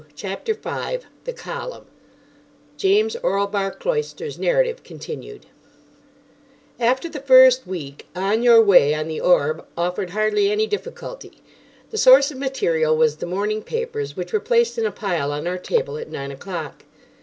CHAPTER 5 THE COLUMN (James Orlebar Cloyster's narrative continued) After the first week "On Your Way," on the Orb, offered hardly any difficulty. The source of material was the morning papers, which were placed in a pile on our table at nine o'clock.